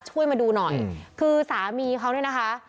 ช่วยมาดูหน่อยคือสามีเขาเนี่ยนะคะ